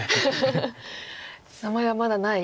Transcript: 名前はまだない。